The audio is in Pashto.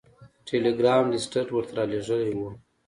ټیلګرام لیسټرډ ورته رالیږلی و.